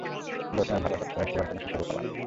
যত্ন আর ভালোবাসার ছোঁয়ায়, সবার জন্য সুস্বাদু খাবার।